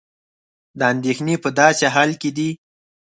دا اندېښنې په داسې حال کې دي